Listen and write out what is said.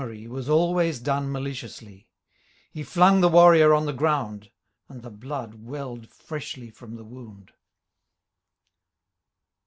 Whate'er he did of gramarye,* Was always done maliciously ; He flung the warrior on the ground. And the blood well'd freshly from the wound.